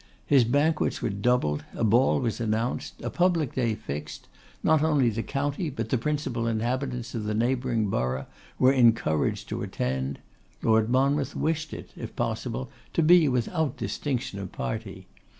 His banquets were doubled; a ball was announced; a public day fixed; not only the county, but the principal inhabitants of the neighbouring borough, were encouraged to attend; Lord Monmouth wished it, if possible, to be without distinction of party.